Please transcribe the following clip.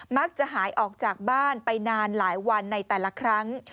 มักจะหายออกจากบ้านไปนานหลายวันในแต่ละครั้ง